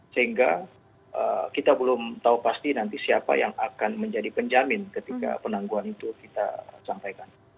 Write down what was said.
sehingga kita belum tahu pasti nanti siapa yang akan menjadi penjamin ketika penangguhan itu kita sampaikan